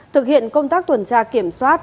thực hiện công tác tuần tra kiểm soát